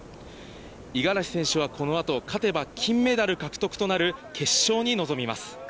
五十嵐選手はこの後、勝てば金メダル獲得となる決勝に臨みます。